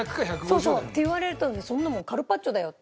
そうそう。って言われるとそんなもんカルパッチョだよって。